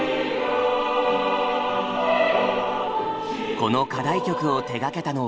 この課題曲を手がけたのは。